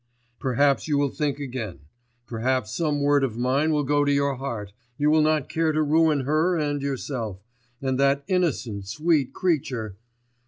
Perhaps, you will think again; perhaps, some word of mine will go to your heart, you will not care to ruin her and yourself, and that innocent sweet creature....